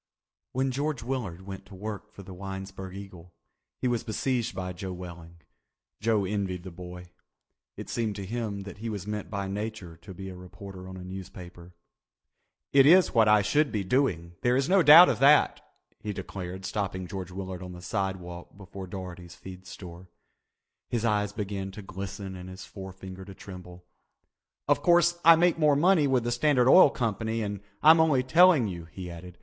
When George Willard went to work for the Winesburg Eagle he was besieged by Joe Welling. Joe envied the boy. It seemed to him that he was meant by Nature to be a reporter on a newspaper. "It is what I should be doing, there is no doubt of that," he declared, stopping George Willard on the sidewalk before Daugherty's Feed Store. His eyes began to glisten and his forefinger to tremble. "Of course I make more money with the Standard Oil Company and I'm only telling you," he added.